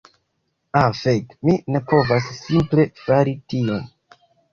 Ha fek, mi ne povas simple fari tion.